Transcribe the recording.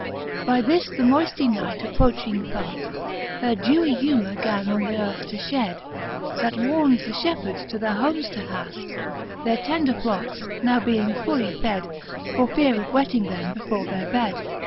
XIII. By this the moyftie night approching faft Her deawy humour gan on th' earth to flied. That warn'd the fhepheards to their homes to haft Their tender flocks, now being fully fed. For feare of wetting them before their bed.